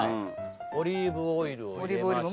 オリーブオイルを入れました。